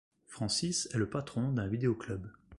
Francis est le patron d'un vidéo-club.